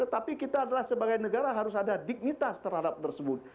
tetapi kita adalah sebagai negara harus ada dignitas terhadap tersebut